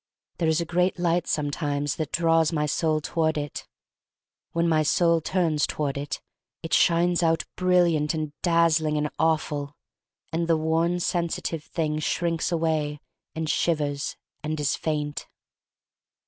There is a great light sometimes that draws my soul toward it. When my soul turns toward it, it shines out bril liant and dazzling and awful — and the worn, sensitive thing shrinks away, and shivers, and is faint.